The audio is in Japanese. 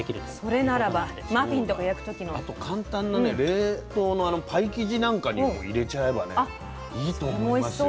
それならばマフィンとか焼く時の。そうかあと簡単なね冷凍のパイ生地なんかにも入れちゃえばねいいと思いますよ。